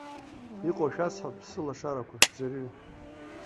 Иҟоу шәасҳәап, сылашарақәа, шәӡырҩы.